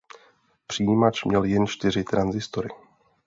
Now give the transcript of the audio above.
Přijímač měl jen čtyři tranzistory.